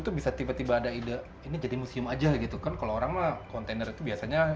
tuh bisa tiba tiba ada ide ini jadi museum aja gitu kan kalau orang lah kontainer itu biasanya